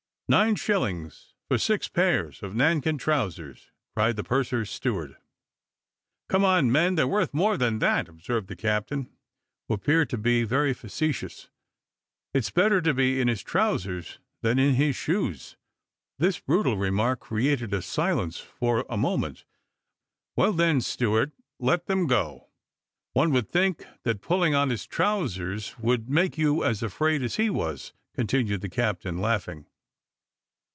"Nine shillings for six pairs of nankeen trowsers," cried the purser's steward. "Come, my men, they're worth more than that," observed the captain, who appeared to be very facetious. "It's better to be in his trowsers than in his shoes." This brutal remark created a silence for a moment. "Well, then, steward, let them go. One would think that pulling on his trowsers would make you as afraid as he was," continued the captain laughing.